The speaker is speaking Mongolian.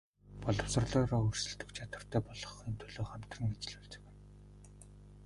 Боловсролоороо өрсөлдөх чадвартай болгохын төлөө хамтран ажиллавал зохино.